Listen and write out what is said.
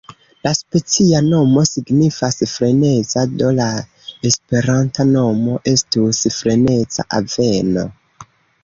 La specia nomo signifas freneza, do la esperanta nomo estus freneza aveno.